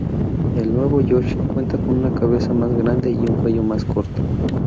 El "nuevo" Yoshi cuenta con una cabeza más grande y un cuello más corto.